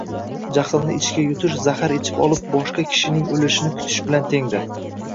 Jahlni ichga yutish zahar ichib olib boshqa kishining o’lishini kutish bilan tengdir